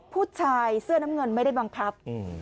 ผู้ชายเสื้อน้ำเงินไม่ได้บังคับ